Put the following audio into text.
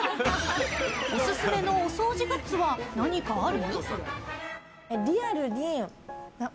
オススメのお掃除グッズは何かある？